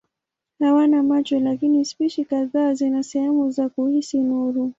Hawana macho lakini spishi kadhaa zina sehemu za kuhisi nuru.